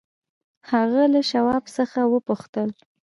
هغه له شواب څخه وپوښتل.